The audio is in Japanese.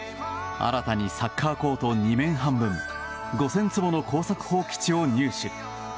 新たにサッカーコート２面半分５０００坪の耕作放棄地を入手。